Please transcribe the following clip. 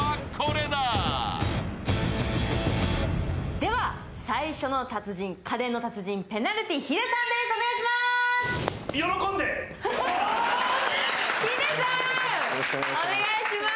では最初の達人、家電の達人ペナルティ・ヒデさんです。